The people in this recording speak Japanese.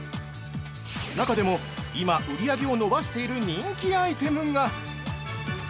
中でも、今、売り上げを伸ばしている人気アイテムが。